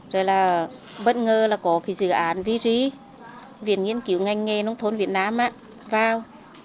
rồi là bất ngờ là có cái dự án ví trí viện nghiên cứu ngành nghề nông thôn việt nam á vào